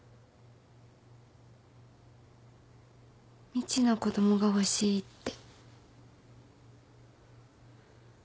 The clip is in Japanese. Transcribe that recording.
みちの子供が欲しいって。